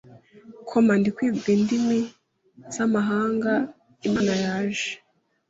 koma ndi kwiga indimi z’amahanga Imana yaje